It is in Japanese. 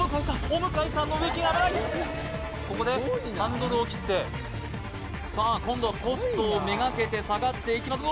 お向かいさんの植木が危ないここでハンドルを切ってさあ今度はポストをめがけて下がっていきます